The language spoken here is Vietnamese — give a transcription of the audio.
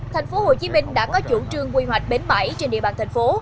thành phố hồ chí minh đã có chủ trương quy hoạch bến bãi trên địa bàn thành phố